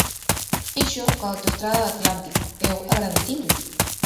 Fíxoo coa autoestrada do Atlántico; eu agradecinllo.